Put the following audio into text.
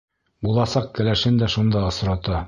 Буласаҡ кәләшен дә шунда осрата.